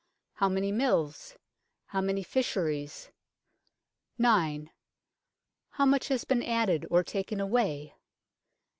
How many mills ? How many fisheries ? 9. How much has been added or taken away